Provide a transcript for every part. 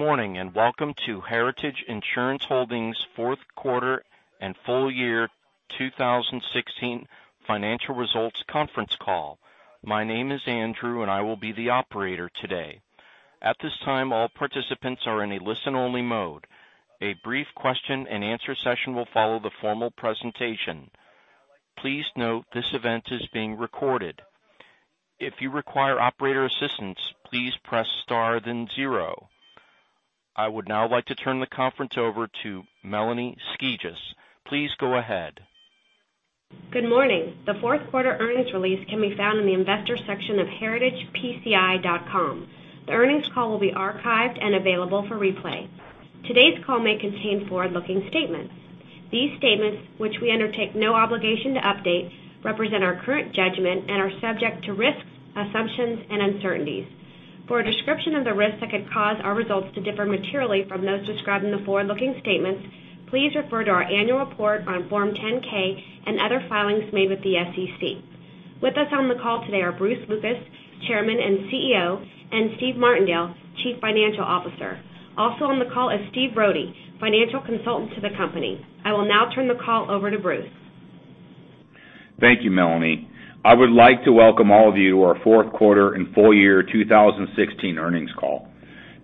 Good morning, and welcome to Heritage Insurance Holdings' fourth quarter and full year 2016 financial results conference call. My name is Andrew, and I will be the operator today. At this time, all participants are in a listen-only mode. A brief question and answer session will follow the formal presentation. Please note this event is being recorded. If you require operator assistance, please press star then zero. I would now like to turn the conference over to Melanie Skeges. Please go ahead. Good morning. The fourth quarter earnings release can be found in the investor section of heritagepci.com. The earnings call will be archived and available for replay. Today's call may contain forward-looking statements. These statements, which we undertake no obligation to update, represent our current judgment and are subject to risks, assumptions, and uncertainties. For a description of the risks that could cause our results to differ materially from those described in the forward-looking statements, please refer to our annual report on Form 10-K and other filings made with the SEC. With us on the call today are Bruce Lucas, Chairman and CEO, and Steven Martindale, Chief Financial Officer. Also on the call is Steven Brodie, Financial Consultant to the company. I will now turn the call over to Bruce. Thank you, Melanie. I would like to welcome all of you to our fourth quarter and full year 2016 earnings call.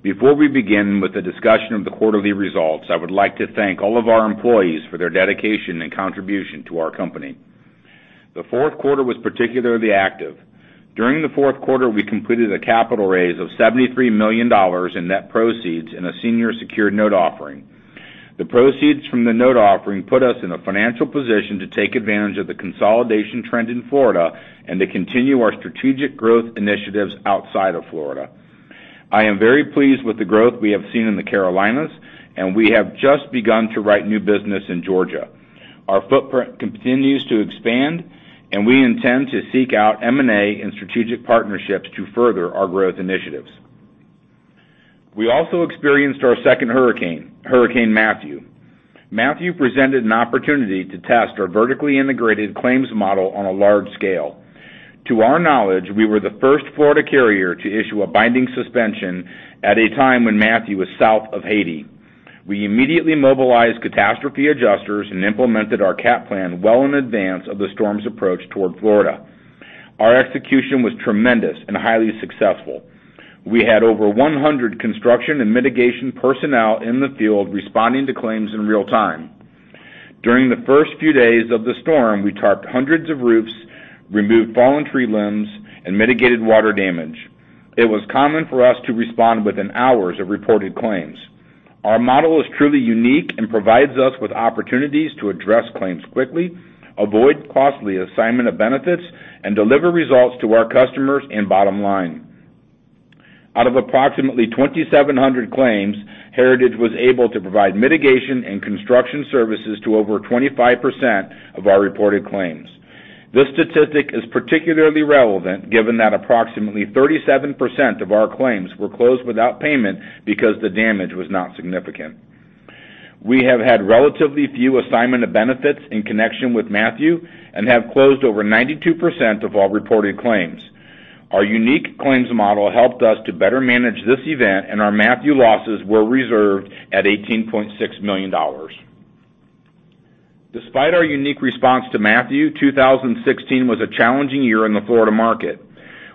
Before we begin with the discussion of the quarterly results, I would like to thank all of our employees for their dedication and contribution to our company. The fourth quarter was particularly active. During the fourth quarter, we completed a capital raise of $73 million in net proceeds in a senior secured note offering. The proceeds from the note offering put us in a financial position to take advantage of the consolidation trend in Florida and to continue our strategic growth initiatives outside of Florida. I am very pleased with the growth we have seen in the Carolinas, and we have just begun to write new business in Georgia. Our footprint continues to expand, and we intend to seek out M&A and strategic partnerships to further our growth initiatives. We also experienced our second hurricane, Hurricane Matthew. Matthew presented an opportunity to test our vertically integrated claims model on a large scale. To our knowledge, we were the first Florida carrier to issue a binding suspension at a time when Matthew was south of Haiti. We immediately mobilized catastrophe adjusters and implemented our cat plan well in advance of the storm's approach toward Florida. Our execution was tremendous and highly successful. We had over 100 construction and mitigation personnel in the field responding to claims in real-time. During the first few days of the storm, we tarped hundreds of roofs, removed fallen tree limbs, and mitigated water damage. It was common for us to respond within hours of reported claims. Our model is truly unique and provides us with opportunities to address claims quickly, avoid costly assignment of benefits, and deliver results to our customers and bottom line. Out of approximately 2,700 claims, Heritage was able to provide mitigation and construction services to over 25% of our reported claims. This statistic is particularly relevant given that approximately 37% of our claims were closed without payment because the damage was not significant. We have had relatively few assignment of benefits in connection with Matthew and have closed over 92% of all reported claims. Our unique claims model helped us to better manage this event, and our Matthew losses were reserved at $18.6 million. Despite our unique response to Matthew, 2016 was a challenging year in the Florida market.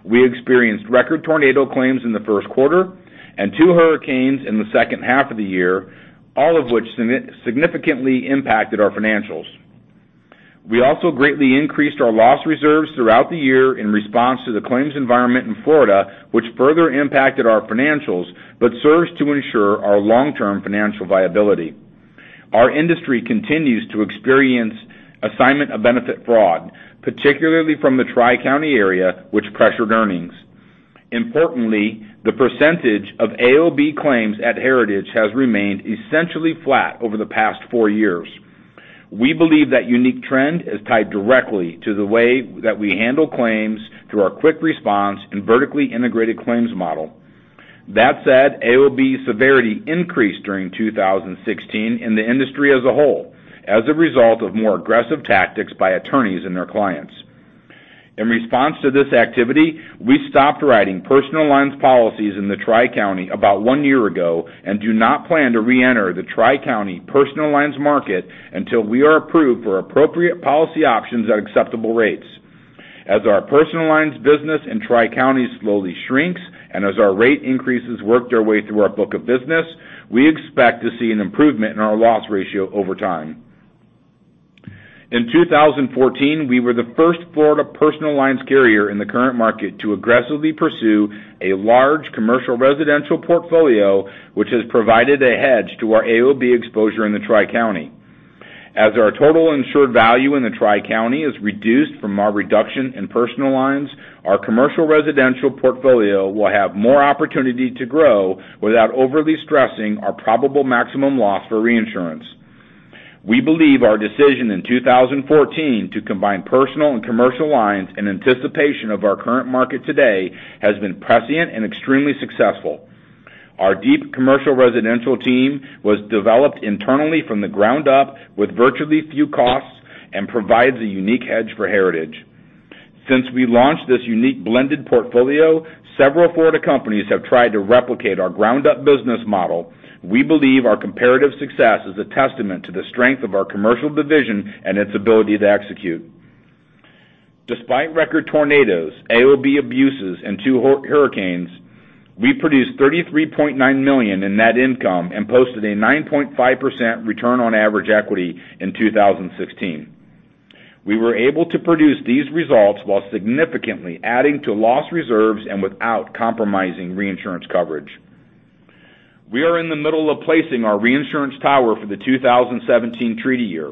We experienced record tornado claims in the first quarter and two hurricanes in the second half of the year, all of which significantly impacted our financials. We also greatly increased our loss reserves throughout the year in response to the claims environment in Florida, which further impacted our financials but serves to ensure our long-term financial viability. Our industry continues to experience assignment of benefit fraud, particularly from the Tri-County area, which pressured earnings. Importantly, the percentage of AOB claims at Heritage has remained essentially flat over the past four years. We believe that unique trend is tied directly to the way that we handle claims through our quick response and vertically integrated claims model. That said, AOB severity increased during 2016 in the industry as a whole as a result of more aggressive tactics by attorneys and their clients. In response to this activity, we stopped writing personal lines policies in the Tri-County about one year ago and do not plan to reenter the Tri-County personal lines market until we are approved for appropriate policy options at acceptable rates. As our personal lines business in Tri-County slowly shrinks and as our rate increases work their way through our book of business, we expect to see an improvement in our loss ratio over time. In 2014, we were the first Florida personal lines carrier in the current market to aggressively pursue a large commercial residential portfolio, which has provided a hedge to our AOB exposure in the Tri-County. As our total insured value in the Tri-County is reduced from our reduction in personal lines, our commercial residential portfolio will have more opportunity to grow without overly stressing our probable maximum loss for reinsurance. We believe our decision in 2014 to combine personal and commercial lines in anticipation of our current market today has been prescient and extremely successful. Our deep commercial residential team was developed internally from the ground up with virtually few costs and provides a unique hedge for Heritage. Since we launched this unique blended portfolio, several Florida companies have tried to replicate our ground-up business model. We believe our comparative success is a testament to the strength of our commercial division and its ability to execute. Despite record tornadoes, AOB abuses, and two hurricanes, we produced $33.9 million in net income and posted a 9.5% return on average equity in 2016. We were able to produce these results while significantly adding to loss reserves and without compromising reinsurance coverage. We are in the middle of placing our reinsurance tower for the 2017 treaty year.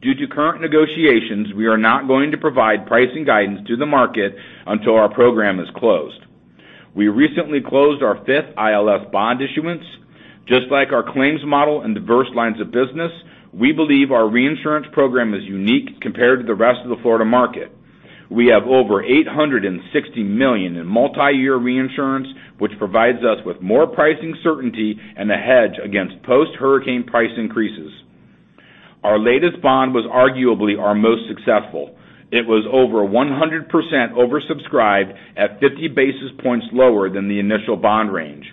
Due to current negotiations, we are not going to provide pricing guidance to the market until our program is closed. We recently closed our fifth ILS bond issuance. Just like our claims model and diverse lines of business, we believe our reinsurance program is unique compared to the rest of the Florida market. We have over $860 million in multi-year reinsurance, which provides us with more pricing certainty and a hedge against post-hurricane price increases. Our latest bond was arguably our most successful. It was 100% oversubscribed at 50 basis points lower than the initial bond range.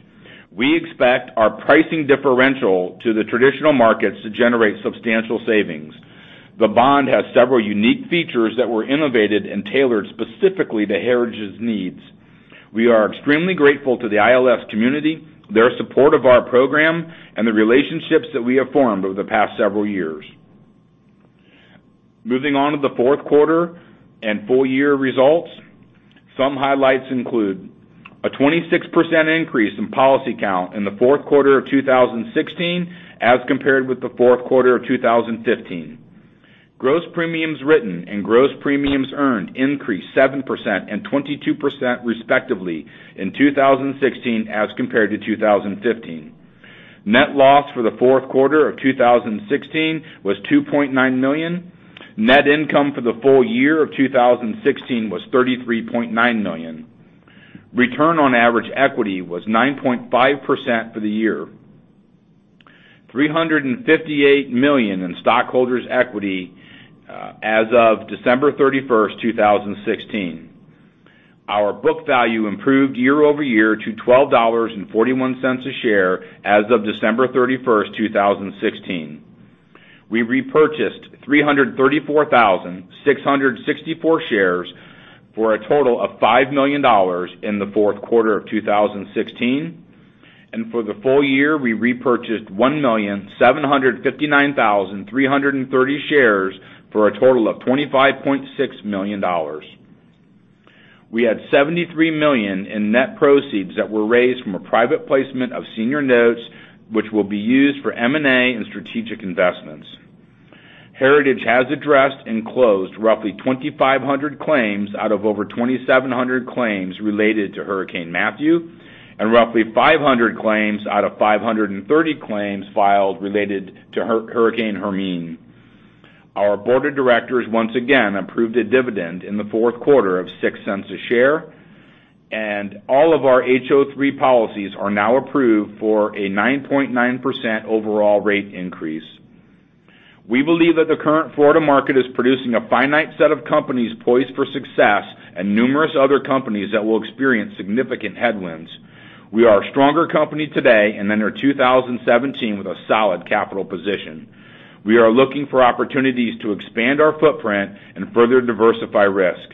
We expect our pricing differential to the traditional markets to generate substantial savings. The bond has several unique features that were innovated and tailored specifically to Heritage's needs. We are extremely grateful to the ILS community, their support of our program, and the relationships that we have formed over the past several years. Moving on to the fourth quarter and full-year results. Some highlights include a 26% increase in policy count in the fourth quarter of 2016 as compared with the fourth quarter of 2015. Gross premiums written and gross premiums earned increased 7% and 22%, respectively, in 2016 as compared to 2015. Net loss for the fourth quarter of 2016 was $2.9 million. Net income for the full year of 2016 was $33.9 million. Return on average equity was 9.5% for the year, $358 million in stockholders' equity as of December 31st, 2016. Our book value improved year over year to $12.41 a share as of December 31st, 2016. We repurchased 334,664 shares for a total of $5 million in the fourth quarter of 2016. For the full year, we repurchased 1,759,330 shares for a total of $25.6 million. We had $73 million in net proceeds that were raised from a private placement of senior notes, which will be used for M&A and strategic investments. Heritage has addressed and closed roughly 2,500 claims out of over 2,700 claims related to Hurricane Matthew, and roughly 500 claims out of 530 claims filed related to Hurricane Hermine. Our board of directors once again approved a dividend in the fourth quarter of $0.06 a share, and all of our HO3 policies are now approved for a 9.9% overall rate increase. We believe that the current Florida market is producing a finite set of companies poised for success and numerous other companies that will experience significant headwinds. We are a stronger company today and enter 2017 with a solid capital position. We are looking for opportunities to expand our footprint and further diversify risk.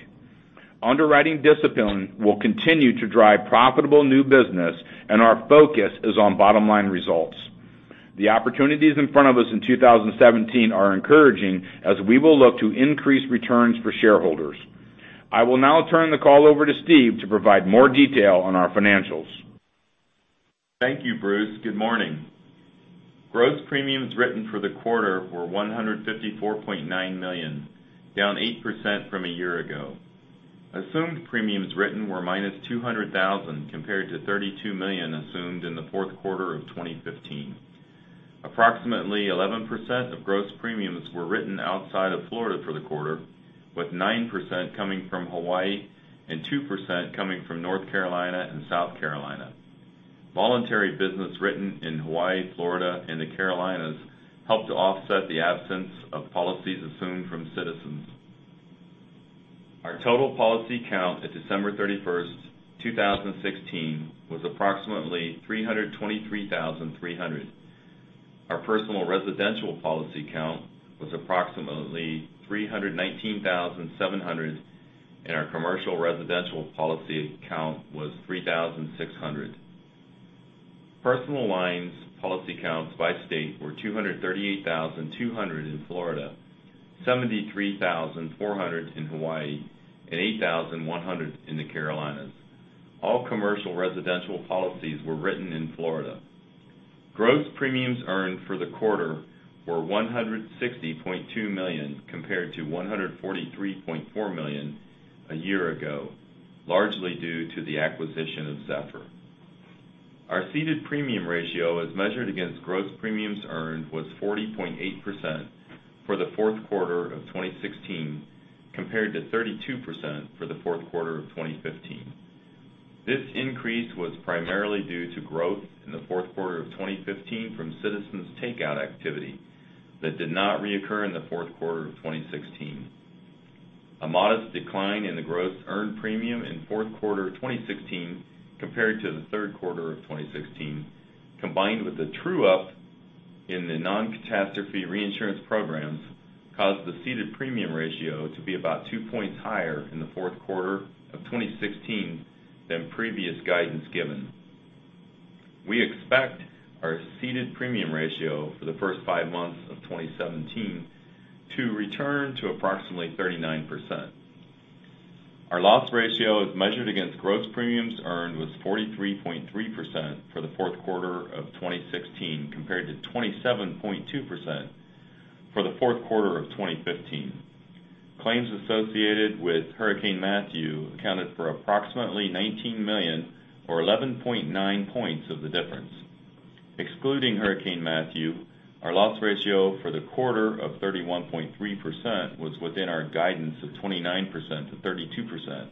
Underwriting discipline will continue to drive profitable new business, and our focus is on bottom-line results. The opportunities in front of us in 2017 are encouraging as we will look to increase returns for shareholders. I will now turn the call over to Steve to provide more detail on our financials. Thank you, Bruce. Good morning. Gross premiums written for the quarter were $154.9 million, down 8% from a year ago. Assumed premiums written were minus $200,000 compared to $32 million assumed in the fourth quarter of 2015. Approximately 11% of gross premiums were written outside of Florida for the quarter, with 9% coming from Hawaii and 2% coming from North Carolina and South Carolina. Voluntary business written in Hawaii, Florida, and the Carolinas helped to offset the absence of policies assumed from Citizens. Our total policy count at December 31st, 2016, was approximately 323,300. Our personal residential policy count was approximately 319,700, and our commercial residential policy count was 3,600. personal lines policy counts by state were 238,200 in Florida, 73,400 in Hawaii, and 8,100 in the Carolinas. All commercial residential policies were written in Florida. Gross premiums earned for the quarter were $160.2 million compared to $143.4 million a year ago, largely due to the acquisition of Zephyr. Our ceded premium ratio as measured against gross premiums earned was 40.8% for the fourth quarter of 2016 compared to 32% for the fourth quarter of 2015. This increase was primarily due to growth in the fourth quarter of 2015 from Citizens take-out activity that did not reoccur in the fourth quarter of 2016. A modest decline in the gross earned premium in fourth quarter of 2016 compared to the third quarter of 2016, combined with the true-up in the non-catastrophe reinsurance programs, caused the ceded premium ratio to be about two points higher in the fourth quarter of 2016 than previous guidance given. We expect our ceded premium ratio for the first five months of 2017 to return to approximately 39%. Our loss ratio, as measured against gross premiums earned, was 43.3% for the fourth quarter of 2016, compared to 27.2% for the fourth quarter of 2015. Claims associated with Hurricane Matthew accounted for approximately $19 million, or 11.9 points of the difference. Excluding Hurricane Matthew, our loss ratio for the quarter of 31.3% was within our guidance of 29%-32%,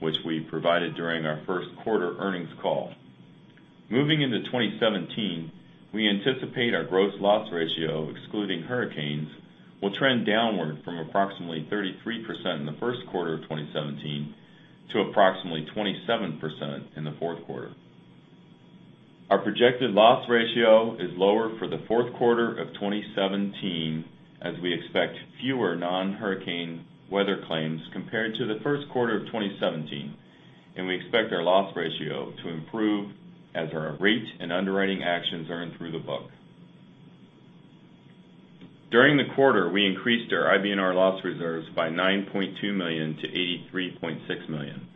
which we provided during our first quarter earnings call. Moving into 2017, we anticipate our gross loss ratio, excluding hurricanes, will trend downward from approximately 33% in the first quarter of 2017 to approximately 27% in the fourth quarter. Our projected loss ratio is lower for the fourth quarter of 2017, as we expect fewer non-hurricane weather claims compared to the first quarter of 2017, and we expect our loss ratio to improve as our rate and underwriting actions earn through the book. During the quarter, we increased our IBNR loss reserves by $9.2 million to $83.6 million.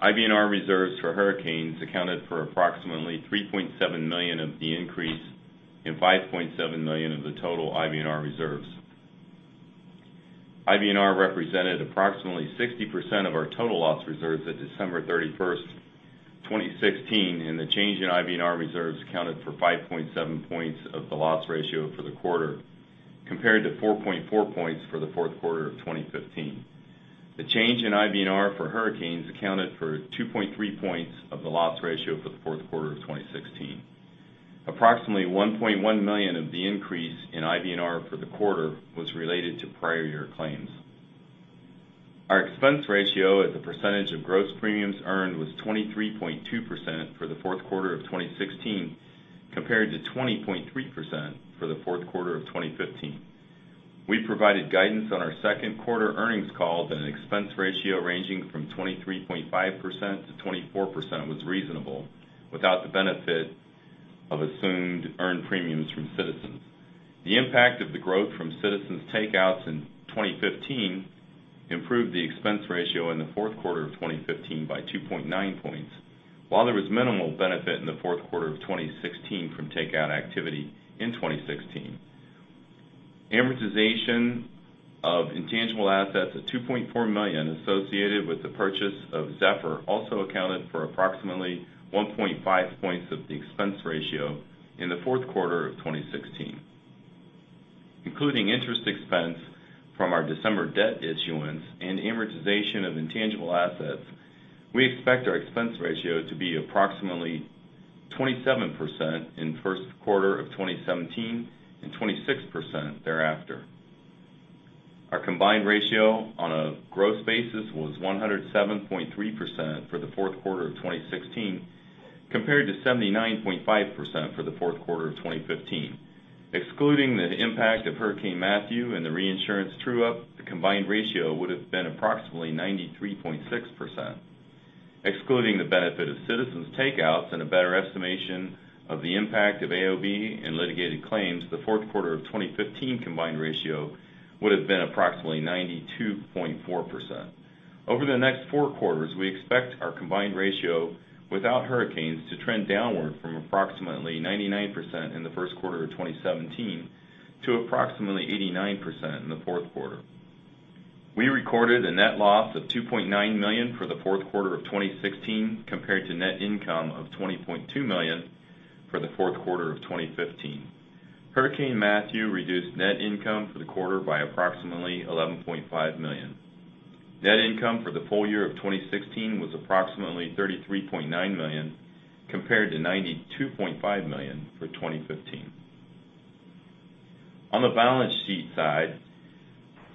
IBNR reserves for hurricanes accounted for approximately $3.7 million of the increase and $5.7 million of the total IBNR reserves. IBNR represented approximately 60% of our total loss reserves at December 31st, 2016, and the change in IBNR reserves accounted for 5.7 points of the loss ratio for the quarter, compared to 4.4 points for the fourth quarter of 2015. The change in IBNR for hurricanes accounted for 2.3 points of the loss ratio for the fourth quarter of 2016. Approximately $1.1 million of the increase in IBNR for the quarter was related to prior year claims. Our expense ratio as a percentage of gross premiums earned was 23.2% for the fourth quarter of 2016, compared to 20.3% for the fourth quarter of 2015. We provided guidance on our second quarter earnings call that an expense ratio ranging from 23.5%-24% was reasonable without the benefit of assumed earned premiums from Citizens. The impact of the growth from Citizens takeouts in 2015 improved the expense ratio in the fourth quarter of 2015 by 2.9 points. While there was minimal benefit in the fourth quarter of 2016 from takeout activity in 2016, amortization of intangible assets of $2.4 million associated with the purchase of Zephyr also accounted for approximately 1.5 points of the expense ratio in the fourth quarter of 2016. Including interest expense from our December debt issuance and amortization of intangible assets, we expect our expense ratio to be approximately 27% in first quarter of 2017 and 26% thereafter. Our combined ratio on a gross basis was 107.3% for the fourth quarter of 2016, compared to 79.5% for the fourth quarter of 2015. Excluding the impact of Hurricane Matthew and the reinsurance true-up, the combined ratio would've been approximately 93.6%. Excluding the benefit of Citizens takeouts and a better estimation of the impact of AOB and litigated claims, the fourth quarter of 2015 combined ratio would've been approximately 92.4%. Over the next four quarters, we expect our combined ratio without hurricanes to trend downward from approximately 99% in the first quarter of 2017 to approximately 89% in the fourth quarter. We recorded a net loss of $2.9 million for the fourth quarter of 2016, compared to net income of $20.2 million for the fourth quarter of 2015. Hurricane Matthew reduced net income for the quarter by approximately $11.5 million. Net income for the full year of 2016 was approximately $33.9 million, compared to $92.5 million for 2015. On the balance sheet side,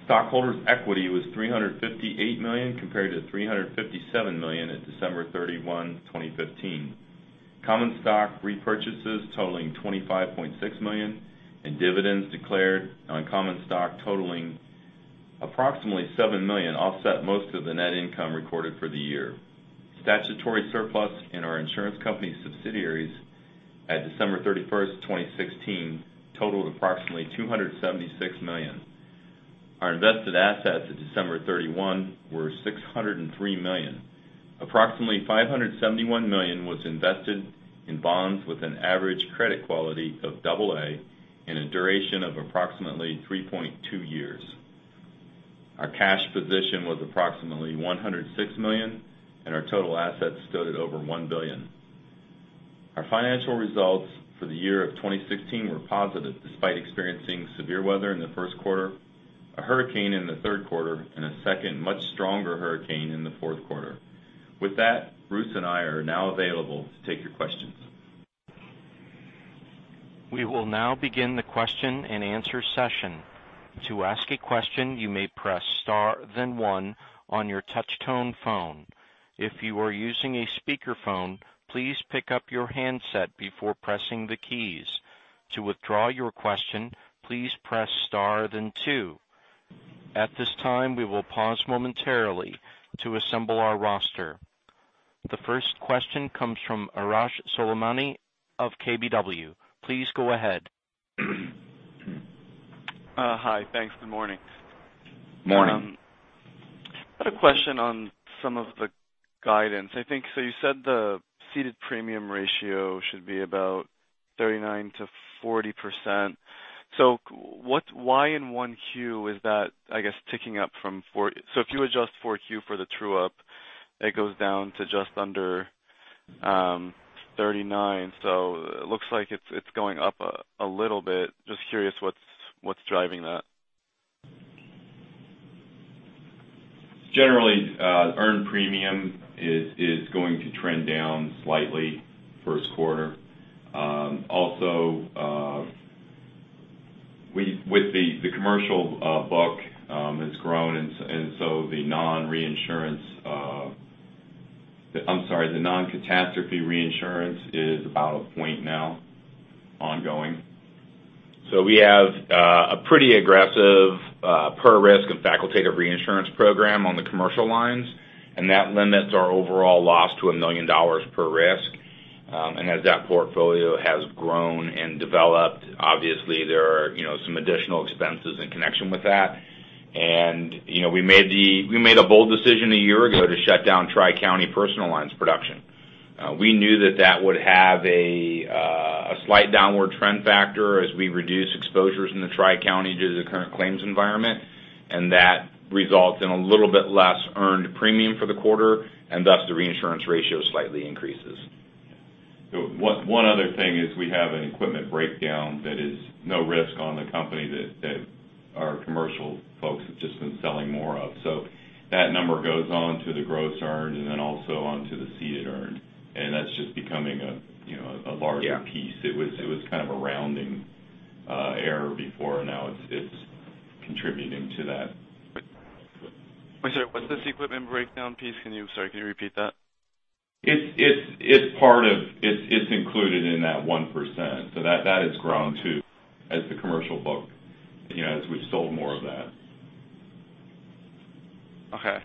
stockholders' equity was $358 million, compared to $357 million at December 31, 2015. Common stock repurchases totaling $25.6 million and dividends declared on common stock totaling approximately $7 million offset most of the net income recorded for the year. Statutory surplus in our insurance company subsidiaries at December 31st, 2016, totaled approximately $276 million. Our invested assets at December 31 were $603 million. Approximately $571 million was invested in bonds with an average credit quality of AA and a duration of approximately 3.2 years. Our cash position was approximately $106 million, and our total assets stood at over $1 billion. Our financial results for the year of 2016 were positive, despite experiencing severe weather in the first quarter, a hurricane in the third quarter, and a second much stronger hurricane in the fourth quarter. With that, Bruce and I are now available to take your questions. We will now begin the question and answer session. To ask a question, you may press star then one on your touch tone phone. If you are using a speakerphone, please pick up your handset before pressing the keys. To withdraw your question, please press star then two. At this time, we will pause momentarily to assemble our roster. The first question comes from Arash Soleimani of KBW. Please go ahead. Hi. Thanks. Good morning. Morning. I had a question on some of the guidance. You said the ceded premium ratio should be about 39%-40%. Why in 1Q is that, I guess, ticking up from four? If you adjust 4Q for the true-up, it goes down to just under 39. It looks like it's going up a little bit. Just curious, what's driving that? Generally, earned premium is going to trend down slightly first quarter. Also, with the commercial book has grown, and so the non-catastrophe reinsurance is about a point now ongoing. We have a pretty aggressive per risk and facultative reinsurance program on the commercial lines, and that limits our overall loss to $1 million per risk. As that portfolio has grown and developed, obviously there are some additional expenses in connection with that. We made a bold decision a year ago to shut down Tri County personal lines production. We knew that that would have a slight downward trend factor as we reduce exposures in the Tri County due to the current claims environment, and that results in a little bit less earned premium for the quarter, and thus the reinsurance ratio slightly increases. One other thing is we have an equipment breakdown that is no risk on the company that our commercial folks have just been selling more of. That number goes on to the gross earned and then also onto the ceded earned. That's just becoming a larger piece. Yeah. It was kind of a rounding error before, now it's contributing to that. I'm sorry, what's this equipment breakdown piece? Sorry, can you repeat that? It's included in that 1%. That has grown too, as the commercial book as we've sold more of that. Okay.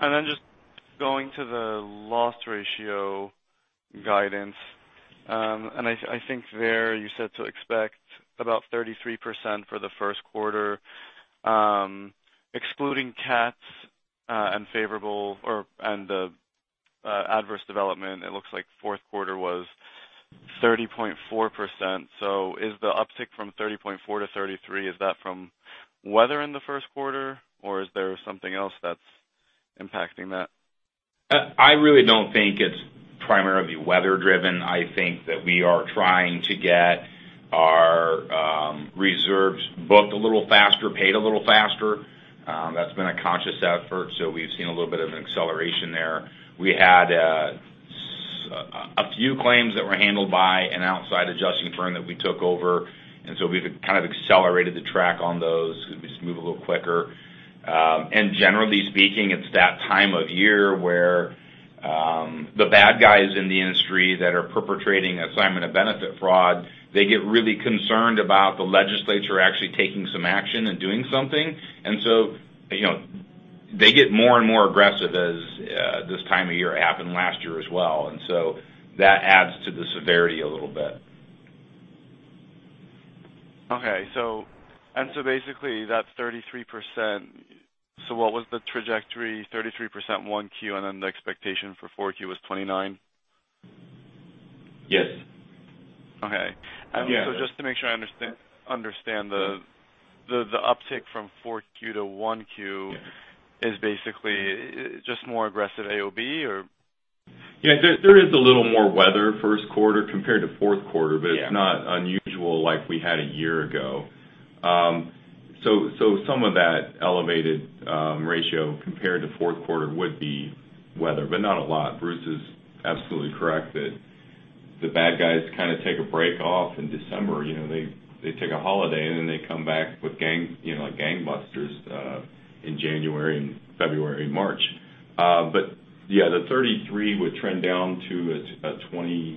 Then just going to the loss ratio guidance. I think there you said to expect about 33% for the first quarter, excluding CATs unfavorable or, and the adverse development, it looks like fourth quarter was 30.4%. Is the uptick from 30.4% to 33%, is that from weather in the first quarter, or is there something else that's impacting that? I really don't think it's primarily weather driven. I think that we are trying to get our reserves booked a little faster, paid a little faster. That's been a conscious effort. We've seen a little bit of an acceleration there. We had a few claims that were handled by an outside adjusting firm that we took over, we've kind of accelerated the track on those. We just move a little quicker. Generally speaking, it's that time of year where the bad guys in the industry that are perpetrating assignment of benefits fraud, they get really concerned about the legislature actually taking some action and doing something. They get more and more aggressive this time of year, happened last year as well. That adds to the severity a little bit. Okay. Basically, that 33%, so what was the trajectory, 33% 1Q, then the expectation for 4Q was 29%? Yes. Okay. Yeah. Just to make sure I understand the uptick from 4Q to 1Q. Yeah is basically just more aggressive AOB or? Yeah, there is a little more weather first quarter compared to fourth quarter. Yeah It's not unusual like we had a year ago. Some of that elevated ratio compared to fourth quarter would be weather, but not a lot. Bruce is absolutely correct that the bad guys kind of take a break off in December. They take a holiday and then they come back like gangbusters in January and February and March. Yeah, the 33% would trend down to a 27%.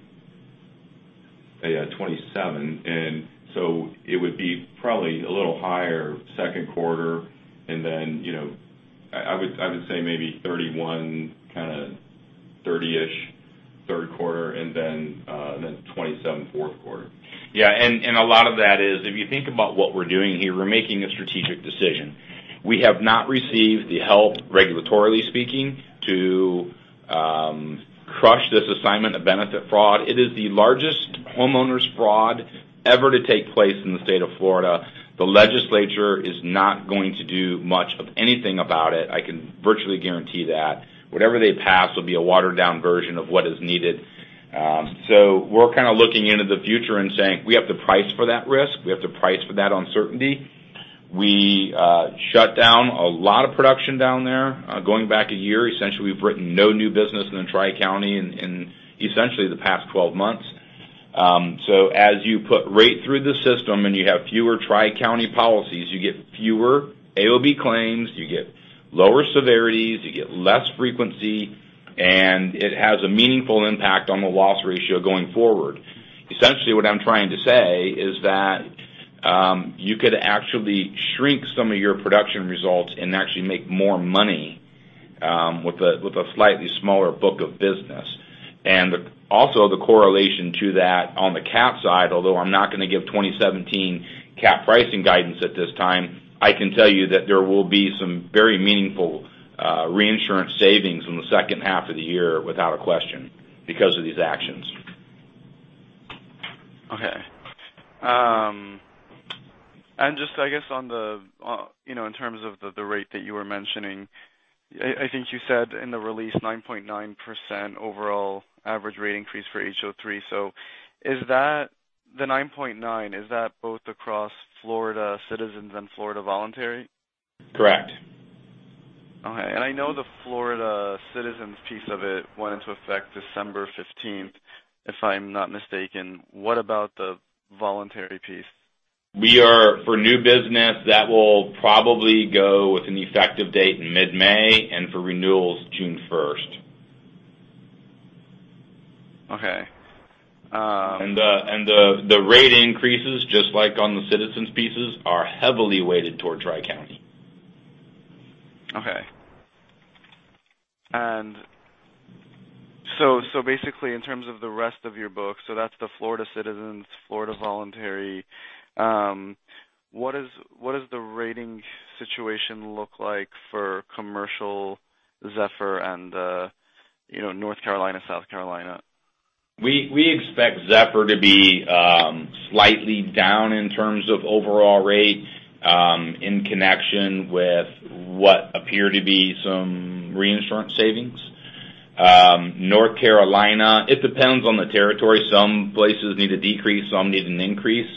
It would be probably a little higher second quarter. Then I would say maybe 31%, kind of 30%-ish third quarter, and then 27% fourth quarter. Yeah. A lot of that is, if you think about what we're doing here, we're making a strategic decision. We have not received the help, regulatorily speaking, to crush this assignment of benefit fraud. It is the largest homeowners fraud ever to take place in the state of Florida. The legislature is not going to do much of anything about it. I can virtually guarantee that. Whatever they pass will be a watered down version of what is needed. We're kind of looking into the future and saying, we have to price for that risk. We have to price for that uncertainty. We shut down a lot of production down there, going back a year. Essentially, we've written no new business in the Tri-County in essentially the past 12 months. As you put rate through the system and you have fewer Tri-County policies, you get fewer AOB claims, you get lower severities, you get less frequency, and it has a meaningful impact on the loss ratio going forward. Essentially, what I'm trying to say is that you could actually shrink some of your production results and actually make more money with a slightly smaller book of business. Also the correlation to that on the CAT side, although I'm not going to give 2017 CAT pricing guidance at this time, I can tell you that there will be some very meaningful reinsurance savings in the second half of the year without a question because of these actions. Okay. I guess in terms of the rate that you were mentioning, I think you said in the release 9.9% overall average rate increase for HO3. The 9.9, is that both across Florida Citizens and Florida voluntary? Correct. Okay. I know the Florida Citizens piece of it went into effect December 15th, if I'm not mistaken. What about the voluntary piece? For new business, that will probably go with an effective date in mid-May, and for renewals, June 1st. Okay. The rate increases, just like on the Citizens pieces, are heavily weighted towards Tri-County. Basically in terms of the rest of your book, that's the Florida Citizens, Florida voluntary, what does the rating situation look like for commercial Zephyr and North Carolina, South Carolina? We expect Zephyr to be slightly down in terms of overall rate, in connection with what appear to be some reinsurance savings. North Carolina, it depends on the territory. Some places need a decrease, some need an increase.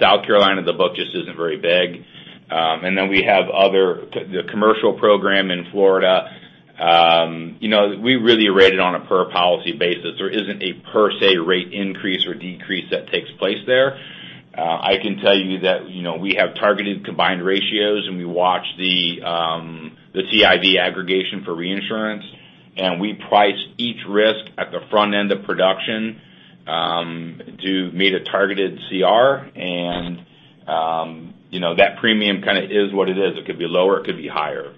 South Carolina, the book just isn't very big. Then we have other, the commercial program in Florida. We really rate it on a per policy basis. There isn't a per se rate increase or decrease that takes place there. I can tell you that we have targeted combined ratios, and we watch the TIV aggregation for reinsurance, and we price each risk at the front end of production to meet a targeted CR. That premium kind of is what it is. It could be lower, it could be higher.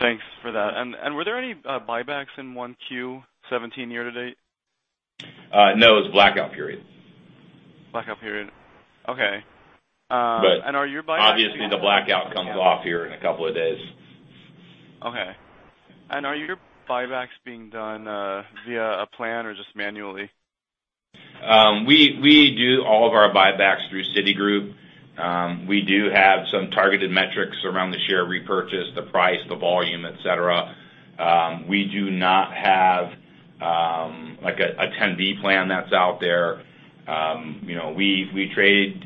Thanks for that. Were there any buybacks in 1Q17 year to date? No. It was blackout period. Blackout period. Okay. Obviously the blackout comes off here in a couple of days. Okay. Are your buybacks being done via a plan or just manually? We do all of our buybacks through Citigroup. We do have some targeted metrics around the share repurchase, the price, the volume, et cetera. We do not have like a 10b5-1 plan that's out there. We trade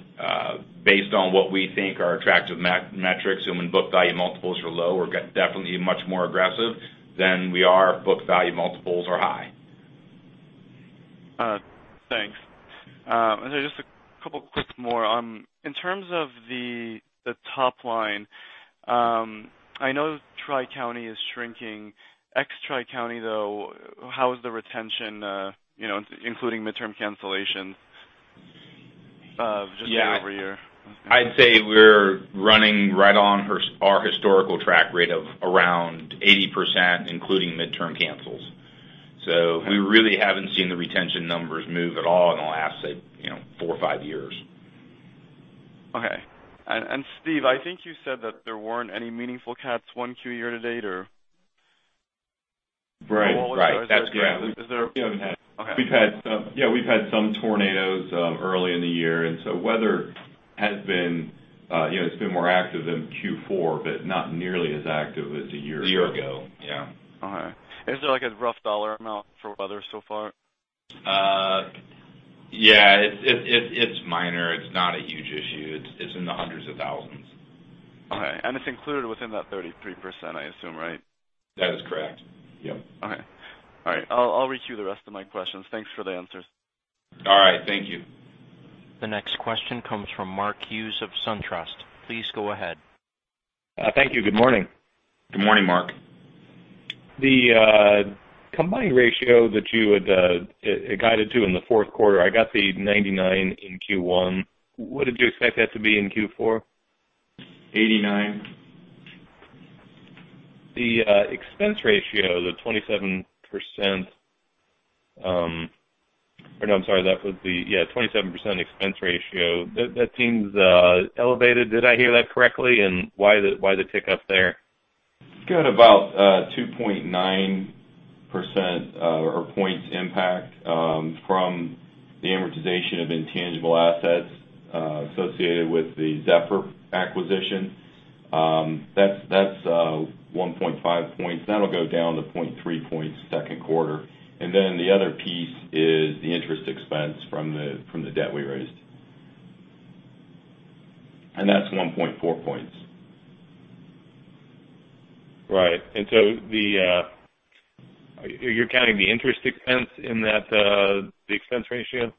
based on what we think are attractive metrics, and when book value multiples are low, we're definitely much more aggressive than we are if book value multiples are high. Thanks. Then just a couple quick more. In terms of the top line, I know Tri-County is shrinking. Ex Tri-County, though, how is the retention including midterm cancellations just year-over-year? I'd say we're running right on our historical track rate of around 80%, including midterm cancels. We really haven't seen the retention numbers move at all in the last, say, four or five years. Okay. Steve, I think you said that there weren't any meaningful CATs Q1 year-to-date? Right. Is there- We haven't had. Okay. Yeah, we've had some tornadoes early in the year, and so weather has been more active than Q4, but not nearly as active as a year ago. A year ago. Yeah. All right. Is there like a rough dollar amount for weather so far? Yeah. It's minor. It's not a huge issue. It's in the hundreds of thousands. Okay. It's included within that 33%, I assume, right? That is correct. Yep. Okay. All right. I'll reissue the rest of my questions. Thanks for the answers. All right. Thank you. The next question comes from Mark Hughes of SunTrust. Please go ahead. Thank you. Good morning. Good morning, Mark. The combined ratio that you had guided to in the fourth quarter, I got the 99 in Q1. What did you expect that to be in Q4? Eighty-nine. The expense ratio, the 27% expense ratio. That seems elevated. Did I hear that correctly, and why the pickup there? It's got about 2.9% or points impact from the amortization of intangible assets associated with the Zephyr acquisition. That's 1.5 points. That'll go down to 0.3 points second quarter. The other piece is the interest expense from the debt we raised. That's 1.4 points. Right. You're counting the interest expense in the expense ratio?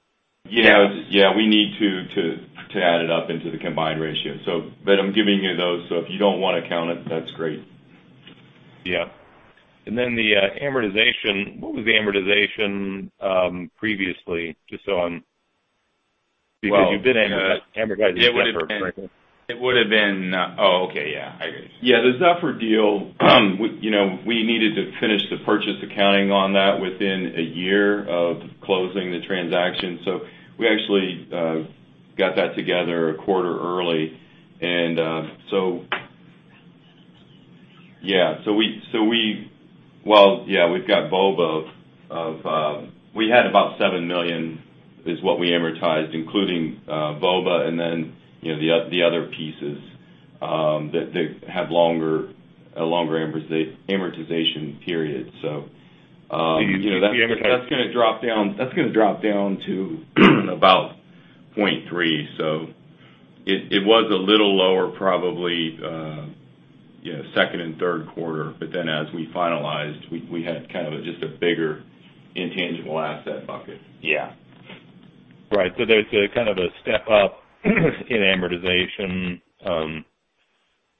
Yeah. We need to add it up into the combined ratio. I'm giving you those, if you don't want to count it, that's great. Yeah. The amortization, what was the amortization previously? It would've been Zephyr, correct? Oh, okay. Yeah. I guess. Yeah, the Zephyr deal, we needed to finish the purchase accounting on that within a year of closing the transaction. We actually got that together a quarter early. Yeah, we've got VOBA of, we had about $7 million is what we amortized, including VOBA and then the other pieces that have a longer amortization period. You'd be amortizing that's going to drop down to about 0.3. It was a little lower probably, second and third quarter. As we finalized, we had kind of just a bigger intangible asset bucket. Yeah. Right. There's a kind of a step-up in amortization,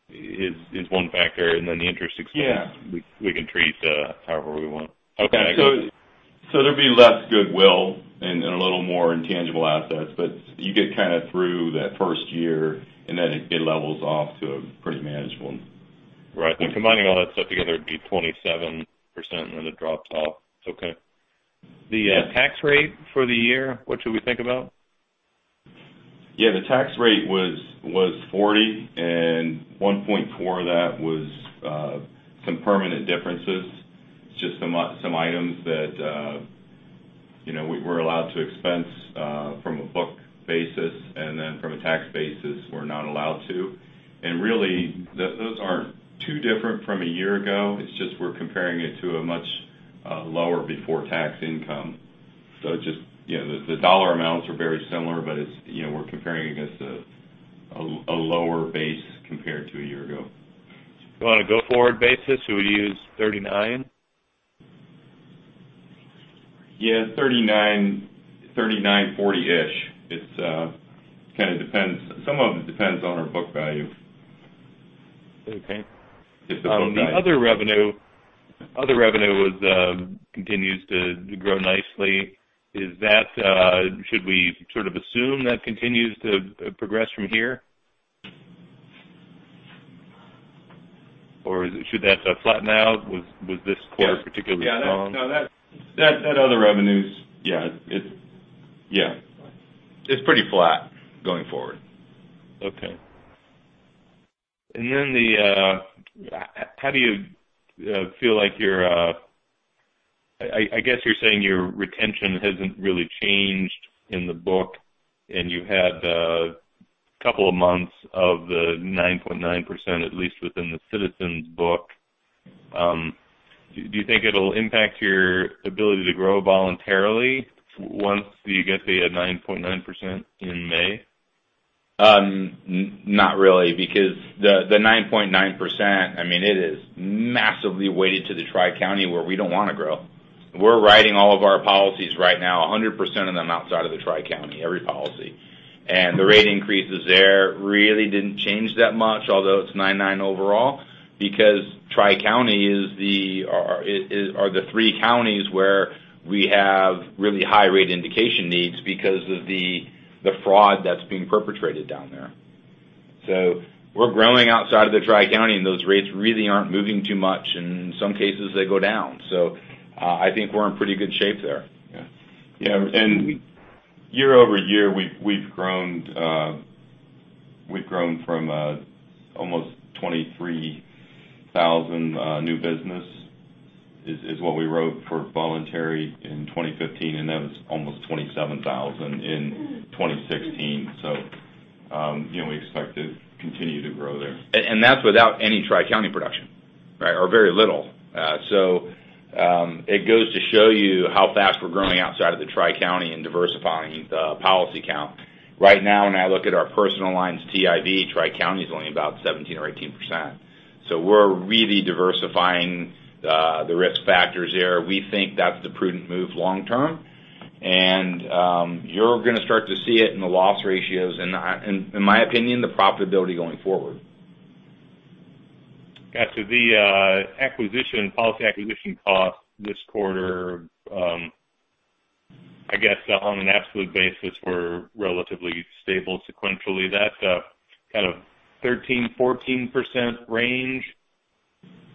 is one factor, and then the interest expense. Yeah we can treat however we want. Okay. I get it. There'll be less goodwill and a little more intangible assets, you get kind of through that first year, it levels off to a pretty manageable. Right. Combining all that stuff together, it'd be 27%, and then it drops off. Okay. Yeah. The tax rate for the year, what should we think about? Yeah. The tax rate was 40%, 1.4% of that was some permanent differences. It's just some items that we were allowed to expense from a book basis, and then from a tax basis, we're not allowed to. Really, those aren't too different from a year ago. It's just we're comparing it to a much lower before-tax income. Just the dollar amounts are very similar, but we're comparing against a lower base compared to a year ago. On a go-forward basis, we would use 39%? Yeah. 39, 40-ish. Some of it depends on our book value. Okay. Just the book value. The other revenue continues to grow nicely. Should we sort of assume that continues to progress from here? Or should that flatten out? Was this quarter particularly strong? Yeah. That other revenue's pretty flat going forward. Okay. How do you feel like, I guess you're saying, your retention hasn't really changed in the book, and you had a couple of months of the 9.9%, at least within the Citizens book. Do you think it'll impact your ability to grow voluntarily once you get the 9.9% in May? Not really, because the 9.9%, it is massively weighted to the Tri-County where we don't want to grow. We're writing all of our policies right now, 100% of them outside of the Tri-County, every policy. The rate increases there really didn't change that much, although it's 9.9% overall because Tri-County are the three counties where we have really high rate indication needs because of the fraud that's being perpetrated down there. We're growing outside of the Tri-County, and those rates really aren't moving too much. In some cases, they go down. I think we're in pretty good shape there. Yeah. Year-over-year, we've grown from almost 23,000 new business, is what we wrote for voluntary in 2015, and that was almost 27,000 in 2016. We expect to continue to grow there. That's without any Tri-County production. Or very little. It goes to show you how fast we're growing outside of the Tri-County and diversifying the policy count. Right now, when I look at our personal lines TIV, Tri-County is only about 17% or 18%. We're really diversifying the risk factors there. We think that's the prudent move long term. You're going to start to see it in the loss ratios and, in my opinion, the profitability going forward. Yeah. The policy acquisition cost this quarter, I guess on an absolute basis, were relatively stable sequentially. That kind of 13%-14% range,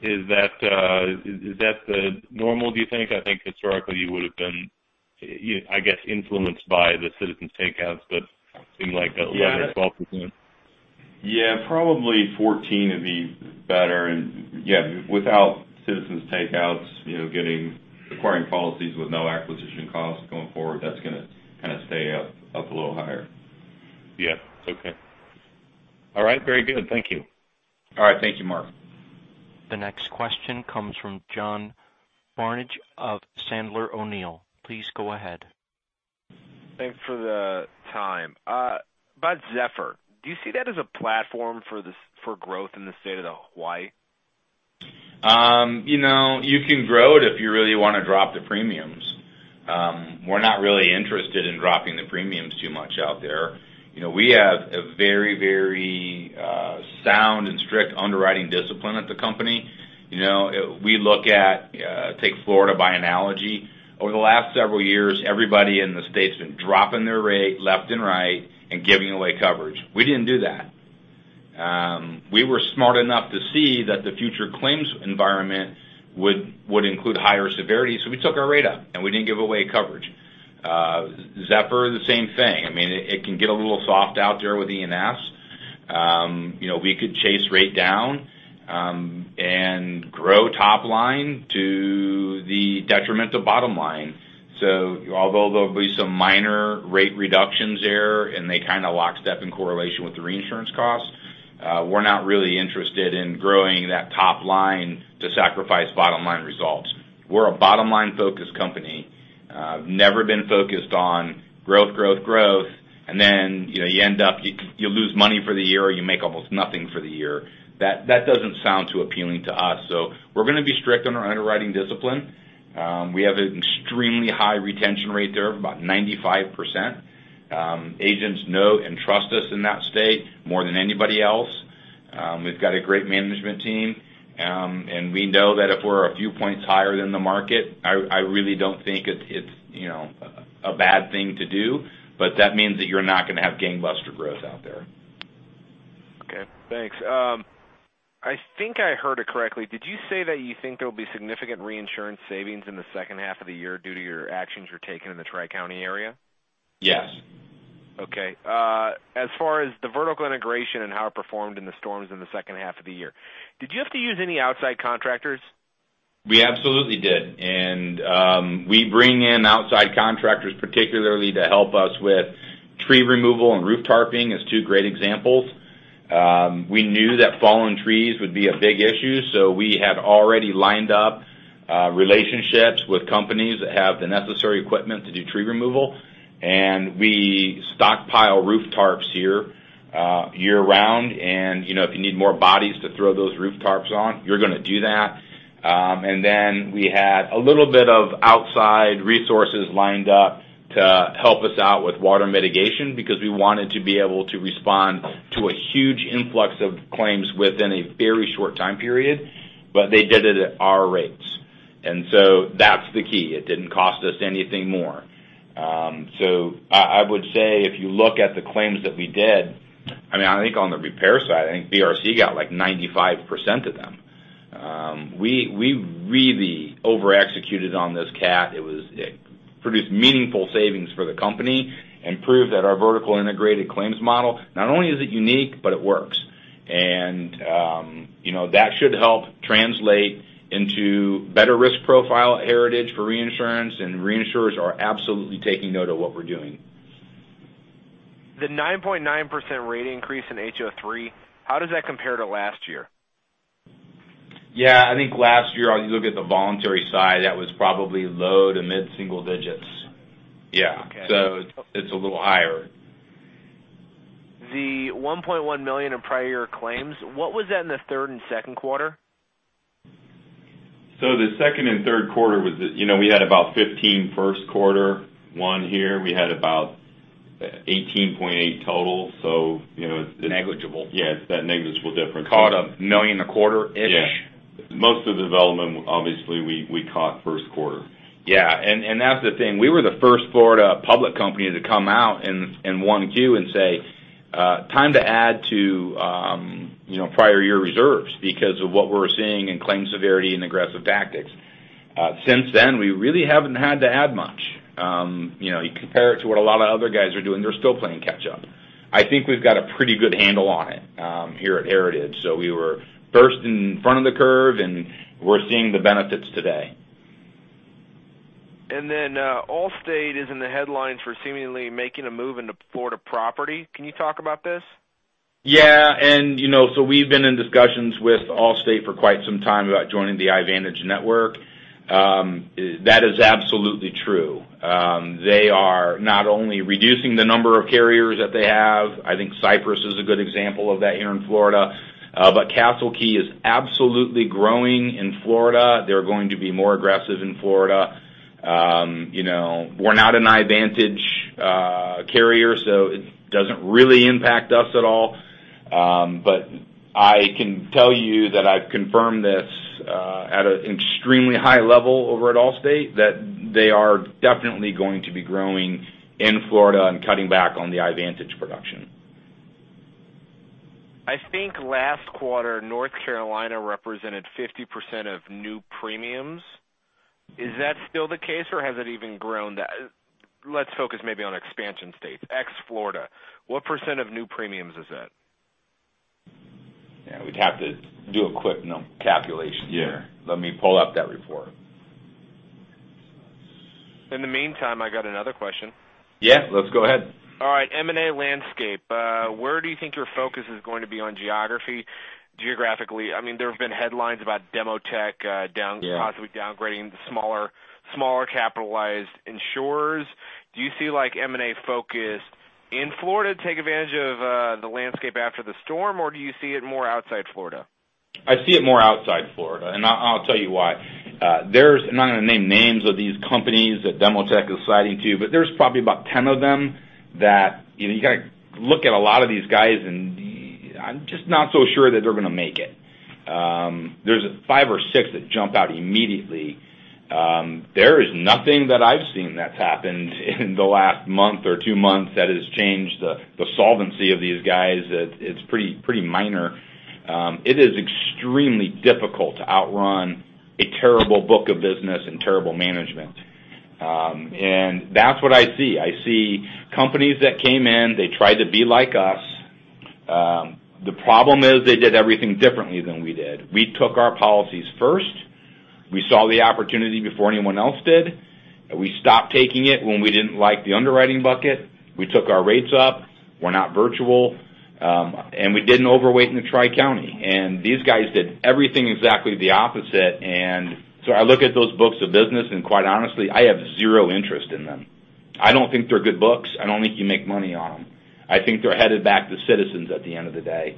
is that normal, do you think? I think historically you would've been, I guess, influenced by the Citizens takeouts, but it seemed like 11%-12%. Yeah. Probably 14 would be better. Yeah, without Citizens takeouts acquiring policies with no acquisition costs going forward, that's going to stay up a little higher. Yeah. It's okay. All right, very good. Thank you. All right. Thank you, Mark. The next question comes from John Barnidge of Sandler O'Neill. Please go ahead. Thanks for the time. About Zephyr, do you see that as a platform for growth in the state of Hawaii? You can grow it if you really want to drop the premiums. We're not really interested in dropping the premiums too much out there. We have a very sound and strict underwriting discipline at the company. We look at, take Florida by analogy. Over the last several years, everybody in the state's been dropping their rate left and right and giving away coverage. We didn't do that. We were smart enough to see that the future claims environment would include higher severity, so we took our rate up, and we didn't give away coverage. Zephyr, the same thing. It can get a little soft out there with ENFs. We could chase rate down and grow top line to the detriment of bottom line. Although there'll be some minor rate reductions there, and they lockstep in correlation with the reinsurance costs, we're not really interested in growing that top line to sacrifice bottom-line results. We're a bottom-line-focused company. Never been focused on growth. You lose money for the year, or you make almost nothing for the year. That doesn't sound too appealing to us. We're going to be strict on our underwriting discipline. We have an extremely high retention rate there of about 95%. Agents know and trust us in that state more than anybody else. We've got a great management team, and we know that if we're a few points higher than the market, I really don't think it's a bad thing to do. That means that you're not going to have gangbuster growth out there. Okay, thanks. I think I heard it correctly. Did you say that you think there'll be significant reinsurance savings in the second half of the year due to your actions you're taking in the Tri-County area? Yes. As far as the vertical integration and how it performed in the storms in the second half of the year, did you have to use any outside contractors? We absolutely did. We bring in outside contractors, particularly to help us with tree removal and roof tarping as two great examples. We knew that fallen trees would be a big issue, we had already lined up relationships with companies that have the necessary equipment to do tree removal, we stockpile roof tarps here year-round, if you need more bodies to throw those roof tarps on, you're going to do that. We had a little bit of outside resources lined up to help us out with water mitigation because we wanted to be able to respond to a huge influx of claims within a very short time period, they did it at our rates. That's the key. It didn't cost us anything more. I would say if you look at the claims that we did, I think on the repair side, I think BRC got like 95% of them. We really over-executed on this CAT. It produced meaningful savings for the company and proved that our vertical integrated claims model, not only is it unique, it works. That should help translate into better risk profile at Heritage for reinsurance, reinsurers are absolutely taking note of what we're doing. The 9.9% rate increase in HO3, how does that compare to last year? Yeah. I think last year, as you look at the voluntary side, that was probably low to mid-single digits. Yeah. Okay. It's a little higher. The $1.1 million in prior year claims, what was that in the third and second quarter? The second and third quarter, we had about 15 first quarter. One here, we had about 18.8 total. Negligible. Yes, that negligible difference. Caught $1 million a quarter-ish. Yeah. Most of the development, obviously, we caught first quarter. Yeah. That's the thing. We were the first Florida public company to come out in 1Q and say, "Time to add to prior year reserves because of what we're seeing in claim severity and aggressive tactics." Since then, we really haven't had to add much. You compare it to what a lot of other guys are doing, they're still playing catch up. I think we've got a pretty good handle on it here at Heritage. We were first in front of the curve, and we're seeing the benefits today. Allstate is in the headlines for seemingly making a move into Florida property. Can you talk about this? We've been in discussions with Allstate for quite some time about joining the Ivantage network. That is absolutely true. They are not only reducing the number of carriers that they have, I think Cypress is a good example of that here in Florida, but Castle Key is absolutely growing in Florida. They're going to be more aggressive in Florida. We're not an Ivantage carrier, so it doesn't really impact us at all. I can tell you that I've confirmed this at an extremely high level over at Allstate, that they are definitely going to be growing in Florida and cutting back on the Ivantage production. I think last quarter, North Carolina represented 50% of new premiums. Is that still the case, or has it even grown that? Let's focus maybe on expansion states, ex-Florida. What percent of new premiums is that? We'd have to do a quick calculation here. Let me pull up that report. In the meantime, I got another question. Yeah, let's go ahead. All right. M&A landscape. Where do you think your focus is going to be on geography? Geographically, there have been headlines about Demotech possibly downgrading the smaller capitalized insurers. Do you see M&A focus in Florida take advantage of the landscape after the storm, or do you see it more outside Florida? I see it more outside Florida. I'll tell you why. I'm not going to name names of these companies that Demotech is citing to, but there's probably about 10 of them that you've got to look at a lot of these guys, and I'm just not so sure that they're going to make it. There's five or six that jump out immediately. There is nothing that I've seen that's happened in the last month or two months that has changed the solvency of these guys. It's pretty minor. It is extremely difficult to outrun a terrible book of business and terrible management. That's what I see. I see companies that came in, they tried to be like us. The problem is they did everything differently than we did. We took our policies first. We saw the opportunity before anyone else did. We stopped taking it when we didn't like the underwriting bucket. We took our rates up. We're not virtual. We didn't overweight in the Tri-County. These guys did everything exactly the opposite. I look at those books of business, and quite honestly, I have zero interest in them. I don't think they're good books. I don't think you make money on them. I think they're headed back to Citizens at the end of the day.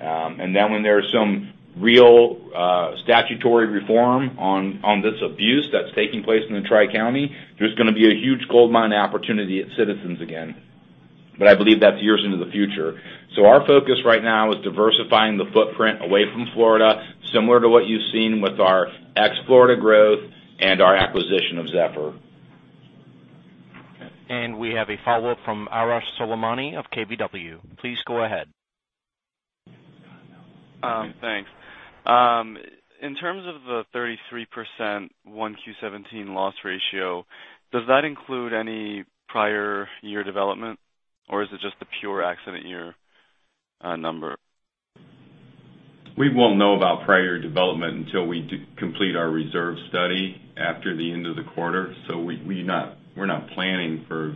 When there's some real statutory reform on this abuse that's taking place in the Tri-County, there's going to be a huge goldmine opportunity at Citizens again. I believe that's years into the future. Our focus right now is diversifying the footprint away from Florida, similar to what you've seen with our ex-Florida growth and our acquisition of Zephyr. We have a follow-up from Arash Soleimani of KBW. Please go ahead. Thanks. In terms of the 33% 1Q17 loss ratio, does that include any prior year development, or is it just the pure accident year number? We won't know about prior development until we complete our reserve study after the end of the quarter. We're not planning for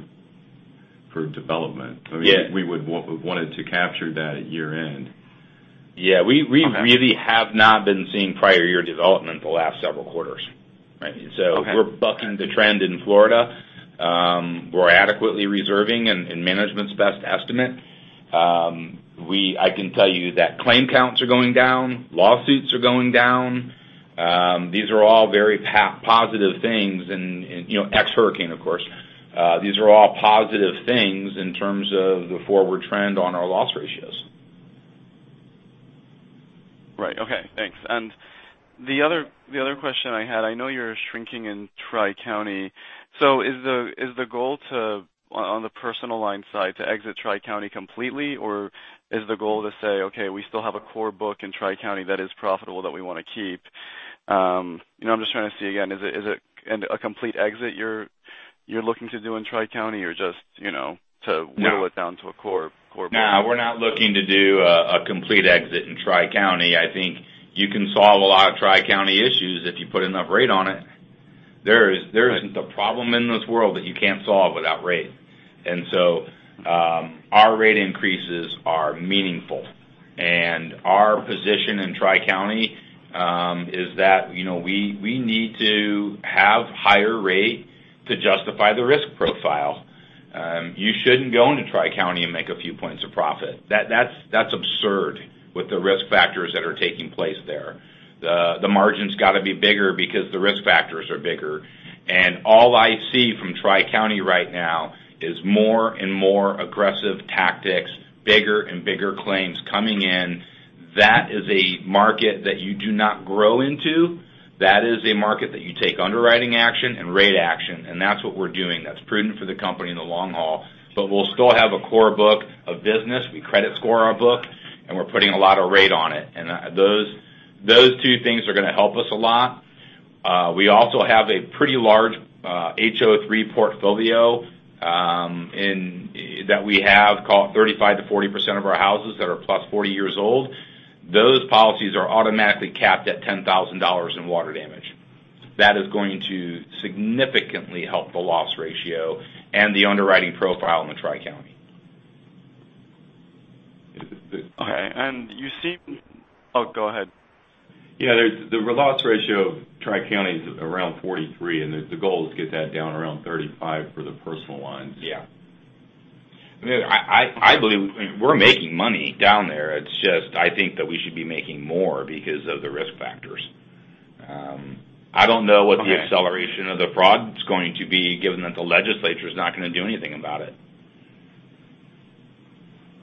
development. Yeah. We would want it to capture that at year-end. Yeah. Okay. We really have not been seeing prior year development the last several quarters. Okay. We're bucking the trend in Florida. We're adequately reserving in management's best estimate. I can tell you that claim counts are going down, lawsuits are going down. These are all very positive things, ex-hurricane, of course. These are all positive things in terms of the forward trend on our loss ratios. Right. Okay, thanks. The other question I had, I know you're shrinking in Tri-County. Is the goal, on the personal lines side, to exit Tri-County completely, or is the goal to say, okay, we still have a core book in Tri-County that is profitable that we want to keep? I'm just trying to see again, is it a complete exit you're looking to do in Tri-County or just No whittle it down to a core book? No, we're not looking to do a complete exit in Tri-County. I think you can solve a lot of Tri-County issues if you put enough rate on it. There isn't a problem in this world that you can't solve without rate. Our rate increases are meaningful, and our position in Tri-County is that we need to have higher rate to justify the risk profile. You shouldn't go into Tri-County and make a few points of profit. That's absurd with the risk factors that are taking place there. The margin's got to be bigger because the risk factors are bigger. All I see from Tri-County right now is more and more aggressive tactics, bigger and bigger claims coming in. That is a market that you do not grow into. That is a market that you take underwriting action and rate action, and that's what we're doing. That's prudent for the company in the long haul. We'll still have a core book of business. We credit score our book, and we're putting a lot of rate on it. Those two things are going to help us a lot. We also have a pretty large HO3 portfolio that we have, 35%-40% of our houses that are plus 40 years old. Those policies are automatically capped at $10,000 in water damage. That is going to significantly help the loss ratio and the underwriting profile in the Tri-County. All right. Oh, go ahead. Yeah, the loss ratio of Tri-County is around 43, and the goal is to get that down around 35 for the personal lines. Yeah. I believe we're making money down there. It's just, I think that we should be making more because of the risk factors. Okay the acceleration of the fraud's going to be, given that the legislature's not going to do anything about it,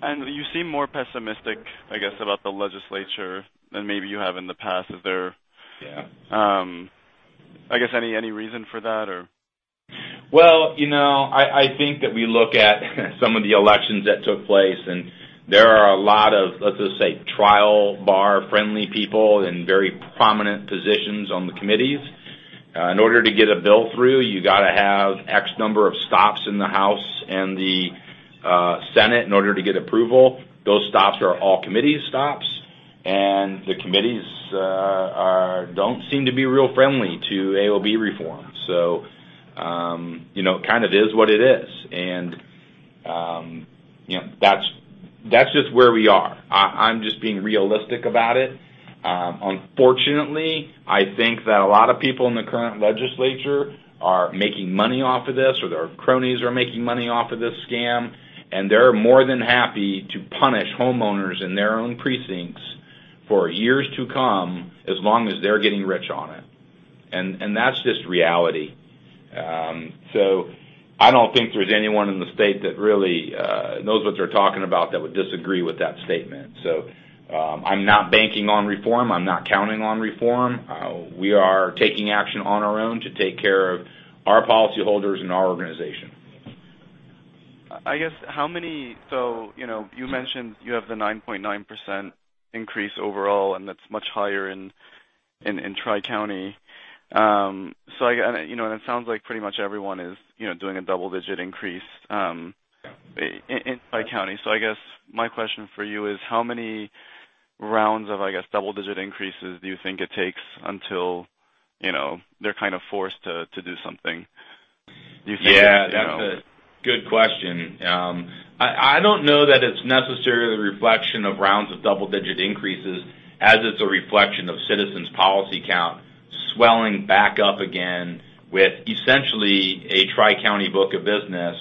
You seem more pessimistic, I guess, about the legislature than maybe you have in the past. Yeah I guess, any reason for that or? Well, I think that we look at some of the elections that took place, and there are a lot of, let's just say, trial bar friendly people in very prominent positions on the committees. In order to get a bill through, you got to have X number of stops in the House and the Senate in order to get approval. Those stops are all committee stops, and the committees don't seem to be real friendly to AOB reform. It kind of is what it is. That's just where we are. I'm just being realistic about it. Unfortunately, I think that a lot of people in the current legislature are making money off of this, or their cronies are making money off of this scam, and they're more than happy to punish homeowners in their own precincts for years to come, as long as they're getting rich on it. That's just reality. I don't think there's anyone in the state that really knows what they're talking about that would disagree with that statement. I'm not banking on reform. I'm not counting on reform. We are taking action on our own to take care of our policyholders and our organization. I guess, you mentioned you have the 9.9% increase overall. That's much higher in Tri-County. It sounds like pretty much everyone is doing a double-digit increase by county. I guess my question for you is, how many rounds of double-digit increases do you think it takes until they're kind of forced to do something? Yeah. That's a good question. I don't know that it's necessarily a reflection of rounds of double-digit increases, as it's a reflection of Citizens policy count swelling back up again with essentially a Tri-County book of business.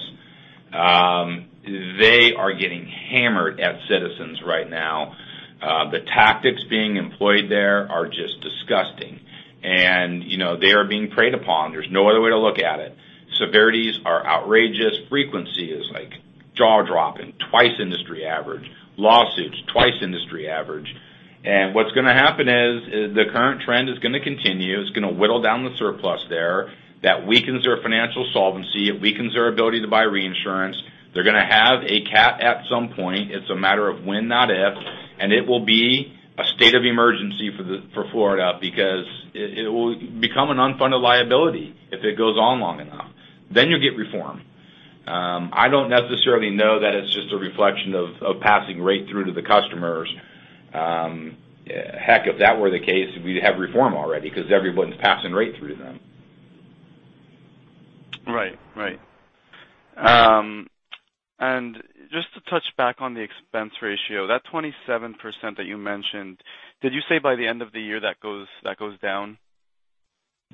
They are getting hammered at Citizens right now. The tactics being employed there are just disgusting, and they are being preyed upon. There's no other way to look at it. Severities are outrageous. Frequency is jaw-dropping, 2 times industry average. Lawsuits, 2 times industry average. What's going to happen is, the current trend is going to continue. It's going to whittle down the surplus there. That weakens their financial solvency. It weakens their ability to buy reinsurance. They're going to have a CAT at some point. It's a matter of when, not if. It will be a state of emergency for Florida because it will become an unfunded liability if it goes on long enough. You'll get reform. I don't necessarily know that it's just a reflection of passing rate through to the customers. Heck, if that were the case, we'd have reform already because everyone's passing rate through to them. Right. Just to touch back on the expense ratio, that 27% that you mentioned, did you say by the end of the year that goes down?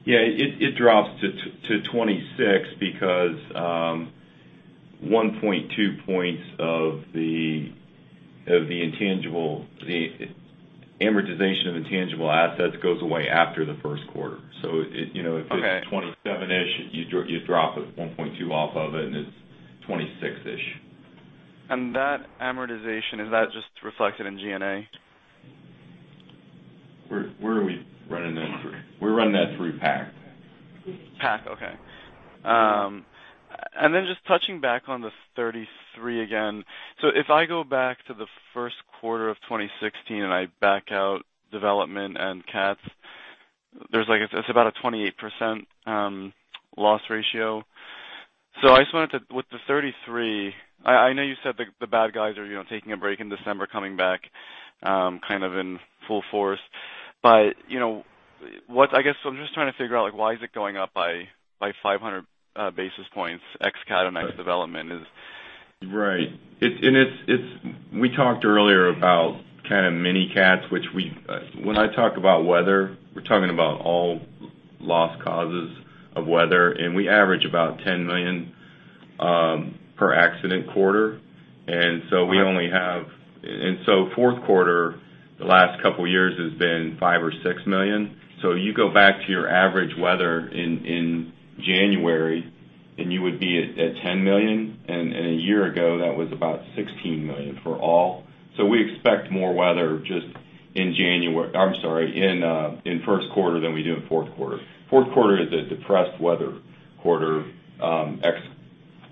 Yeah. It drops to 26 because 1.2 points of the amortization of intangible assets goes away after the first quarter. If it's 27-ish, you drop it 1.2 off of it, and it's 26-ish. That amortization, is that just reflected in G&A? Where are we running that through? We're running that through PAC. PAC, okay. Just touching back on the 33 again. If I go back to the first quarter of 2016 and I back out development and CATs, it's about a 28% loss ratio. I just wanted to, with the 33, I know you said the bad guys are taking a break in December, coming back kind of in full force. I guess I'm just trying to figure out why is it going up by 500 basis points ex CAT and ex development is. Right. We talked earlier about kind of mini CATs. When I talk about weather, we're talking about all loss causes of weather, and we average about $10 million per accident quarter. Fourth quarter the last couple years has been $5 million or $6 million. You go back to your average weather in January, and you would be at $10 million. A year ago, that was about $16 million for all. We expect more weather just in first quarter than we do in fourth quarter. Fourth quarter is a depressed weather quarter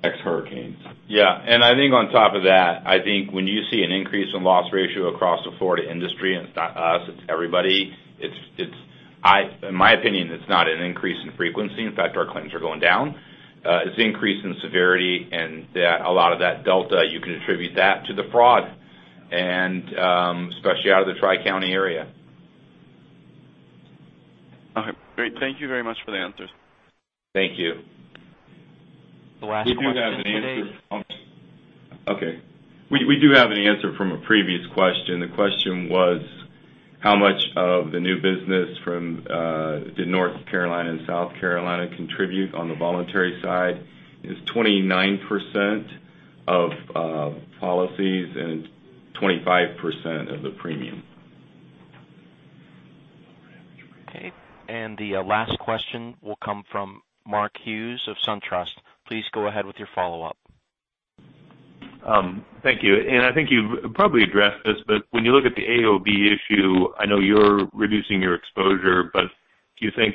ex hurricanes. Yeah. I think on top of that, I think when you see an increase in loss ratio across the Florida industry, and it's not us, it's everybody. In my opinion, it's not an increase in frequency. In fact, our claims are going down. It's the increase in severity. A lot of that delta, you can attribute that to the fraud, especially out of the Tri-County area. Okay, great. Thank you very much for the answers. Thank you. The last question today. We do have an answer. Okay. We do have an answer from a previous question. The question was how much of the new business from North Carolina and South Carolina contribute on the voluntary side? It's 29% of policies and 25% of the premium. Okay. The last question will come from Mark Hughes of SunTrust. Please go ahead with your follow-up. Thank you. I think you've probably addressed this, when you look at the AOB issue, I know you're reducing your exposure, do you think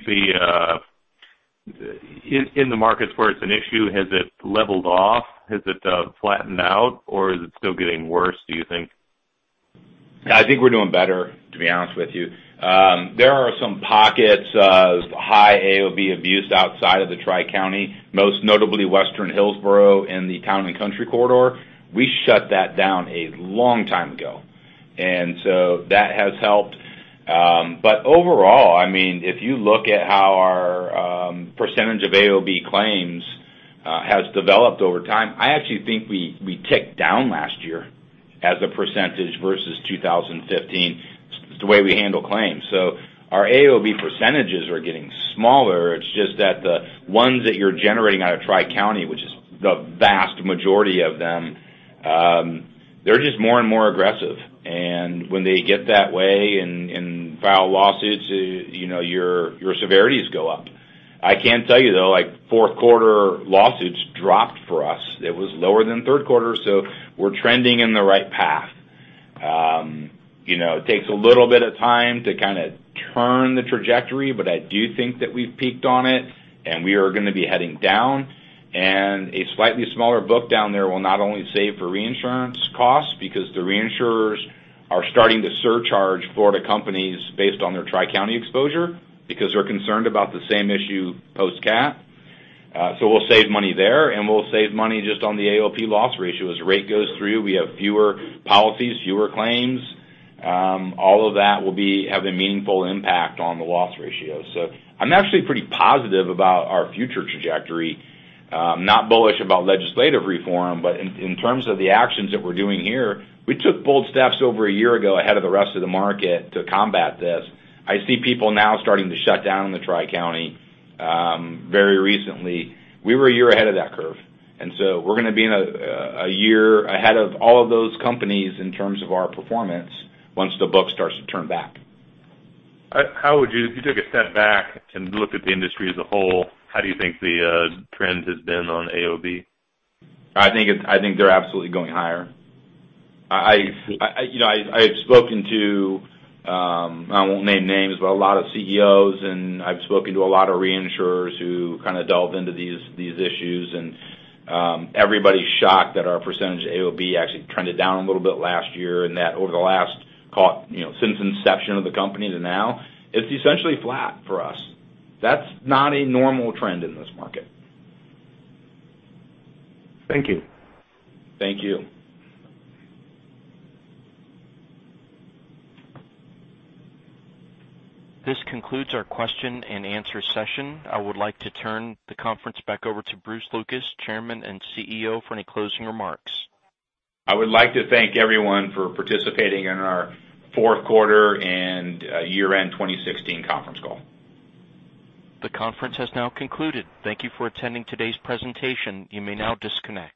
in the markets where it's an issue, has it leveled off? Has it flattened out, or is it still getting worse, do you think? I think we're doing better, to be honest with you. There are some pockets of high AOB abuse outside of the Tri-County, most notably Western Hillsborough and the Town 'n' Country corridor. We shut that down a long time ago, that has helped. Overall, if you look at how our percentage of AOB claims has developed over time, I actually think I ticked down last year as a percentage versus 2015. It's the way we handle claims. Our AOB percentages are getting smaller. It's just that the ones that you're generating out of Tri-County, which is the vast majority of them, they're just more and more aggressive. When they get that way and file lawsuits, your severities go up. I can tell you, though, fourth quarter lawsuits dropped for us. It was lower than third quarter, we're trending in the right path. It takes a little bit of time to kind of turn the trajectory, I do think that we've peaked on it, we are going to be heading down. A slightly smaller book down there will not only save for reinsurance costs, because the reinsurers are starting to surcharge Florida companies based on their Tri-County exposure because they're concerned about the same issue post-CAT. We'll save money there, we'll save money just on the AOB loss ratio. As rate goes through, we have fewer policies, fewer claims. All of that will have a meaningful impact on the loss ratio. I'm actually pretty positive about our future trajectory. Not bullish about legislative reform. In terms of the actions that we're doing here, we took bold steps over a year ago ahead of the rest of the market to combat this. I see people now starting to shut down in the Tri-County very recently. We were a year ahead of that curve, we're going to be a year ahead of all of those companies in terms of our performance once the book starts to turn back. If you took a step back and looked at the industry as a whole, how do you think the trend has been on AOB? I think they're absolutely going higher. I've spoken to, I won't name names, but a lot of CEOs, and I've spoken to a lot of reinsurers who kind of delve into these issues. Everybody's shocked that our percentage of AOB actually trended down a little bit last year, and that over the last, since inception of the company to now, it's essentially flat for us. That's not a normal trend in this market. Thank you. Thank you. This concludes our question and answer session. I would like to turn the conference back over to Bruce Lucas, Chairman and CEO, for any closing remarks. I would like to thank everyone for participating in our fourth quarter and year-end 2016 conference call. The conference has now concluded. Thank you for attending today's presentation. You may now disconnect.